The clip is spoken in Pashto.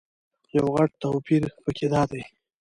یو غټ توپیر په کې دادی.